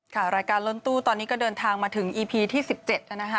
รายการล้นตู้ตอนนี้ก็เดินทางมาถึงอีพีที่๑๗นะคะ